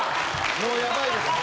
もうヤバいです。